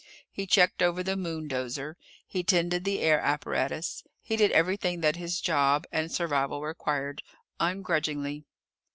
He checked over the moondozer. He tended the air apparatus. He did everything that his job and survival required. Ungrudgingly.